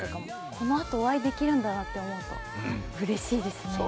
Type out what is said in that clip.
このあとお会いできるんだなと思うとうれしいですね。